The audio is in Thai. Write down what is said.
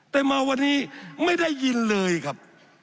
แต่มาวันนี้ไม่ได้ยินเลยครับ